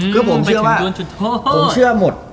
คือผมเชื่อว่า